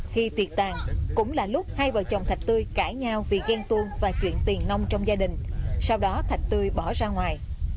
khi tiệt tàn cũng là lúc hai vợ chồng thạch tươi cãi nhau vì ghen tuôn và chuyện tiền nông trong gia đình sau đó thạch tươi bỏ ra ngoài